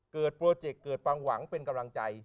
เกิดโปรเจคเกิดพังหวังเป็นกำลังใจ